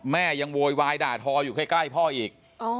แม่ยังโวยวายด่าทออยู่ใกล้พ่ออีก